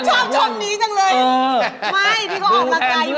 ชอบช่องนี้จังเลย